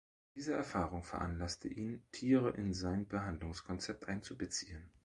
Diese Erfahrung veranlasste ihn, Tiere in sein Behandlungskonzept einzubeziehen.